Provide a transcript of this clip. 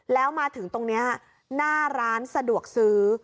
แล้วมาถึงตรงนี้หน้าร้านสะดวกซื้อ